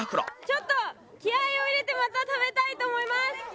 ちょっと気合を入れてまた食べたいと思います。